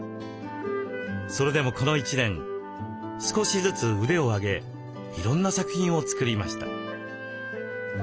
それでもこの一年少しずつ腕を上げいろんな作品を作りました。